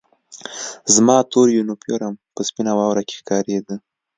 زما تور یونیفورم په سپینه واوره کې ښکارېده